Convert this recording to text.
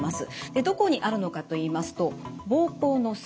どこにあるのかといいますと膀胱のすぐ下。